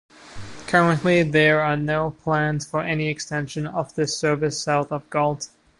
Currently there are no plans for any extension of this service south of Galt.